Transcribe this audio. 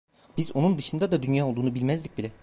Biz onun dışında da dünya olduğunu bilmezdik bile.